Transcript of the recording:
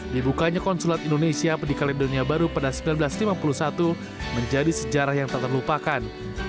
dibukanya konsulat indonesia di kaledonia baru pada seribu sembilan ratus lima puluh satu menjadi sejarah yang tak terlupakan